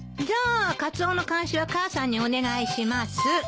じゃあカツオの監視は母さんにお願いします。